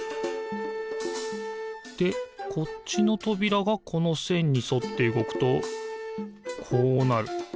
でこっちのとびらがこのせんにそってうごくとこうなる。